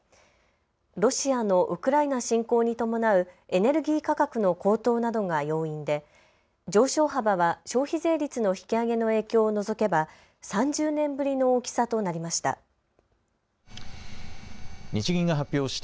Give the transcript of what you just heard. ロシアのウクライナ侵攻に伴うエネルギー価格の高騰などが要因で上昇幅は消費税率の引き上げの影響を除けば３０年ぶりの大きさとなりました。